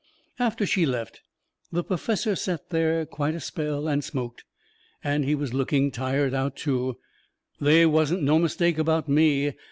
After she left, the perfessor set there quite a spell and smoked. And he was looking tired out, too. They wasn't no mistake about me.